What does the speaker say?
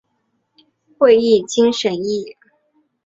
会议经审议